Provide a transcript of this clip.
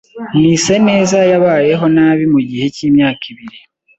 Mwiseneza yabayeho nabi mu gihe cy’imyaka ibiri